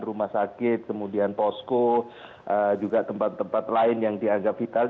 rumah sakit kemudian posko juga tempat tempat lain yang dianggap vital